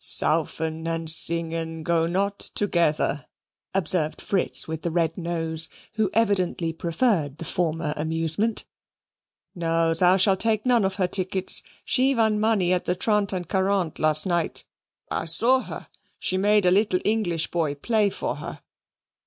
'" "Saufen and singen go not together," observed Fritz with the red nose, who evidently preferred the former amusement. "No, thou shalt take none of her tickets. She won money at the trente and quarante last night. I saw her: she made a little English boy play for her.